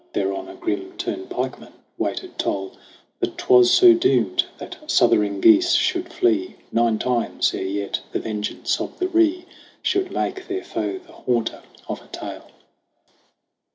Thereon a grim turnpikeman waited toll : But 'twas so doomed that southering geese should flee Nine times, ere yet the vengeance of the Ree Should make their foe the haunter of a tale.